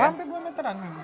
ya hampir dua meteran